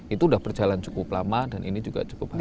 itu sudah berjalan cukup lama dan ini juga cukup baik